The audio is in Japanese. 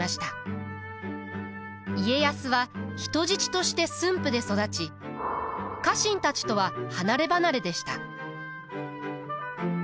家康は人質として駿府で育ち家臣たちとは離れ離れでした。